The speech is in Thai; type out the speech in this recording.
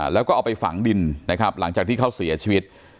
แล้วก็เอาไปฝังดินนะครับหลังจากที่เขาเสียชีวิต